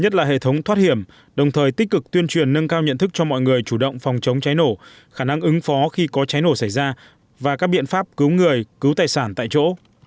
nhất là hệ thống thoát hiểm đồng thời tích cực tuyên truyền nâng cao nhận thức cho mọi người chủ động phòng chống cháy nổ khả năng ứng phó khi có cháy nổ xảy ra và các biện pháp cứu người cứu tài sản tại chỗ